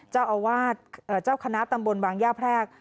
เจ้าอาวาสเจ้าคณะตำบลวางย่าแพร่ก